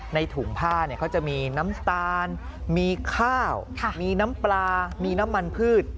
ถุงผ้าเขาจะมีน้ำตาลมีข้าวมีน้ำปลามีน้ำมันพืช